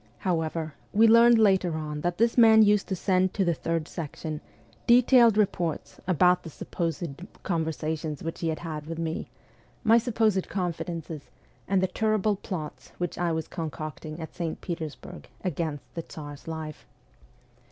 How ever, we learned later on that this man used to send to the Third Section detailed reports about the supposed 288 MEMOIRS OF A REVOLUTIONIST conversations which he had had with me, my supposed confidences, and the terrible plots which I was con cocting at St. Petersburg against the Tsar's life